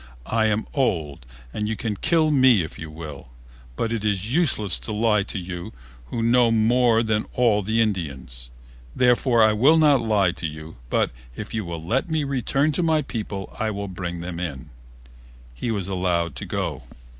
I am old and you can kill me if you will, but it is useless to lie to you who know more than all the Indians. Therefore I will not lie to you but if you will let me return to my people I will bring them in." He was allowed to go.